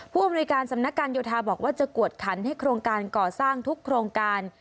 ผู้อำนวยการสำนักการโยธาบอกว่าจะกวดขันให้โครงการก่อสร้างทุกโครงการ